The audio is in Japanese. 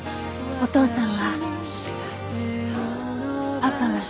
お父さん。